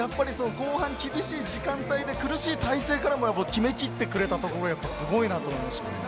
後半、厳しい時間帯で苦しい体勢からも決めきってくれたところはやっぱりすごいなと思いました。